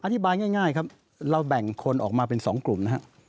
อธิบายง่ายครับเราแบ่งคนออกมาเป็น๒กลุ่มนะฮะ